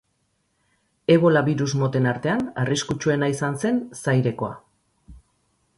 Ebola birus moten artean arriskutsuena izan zen Zairekoa.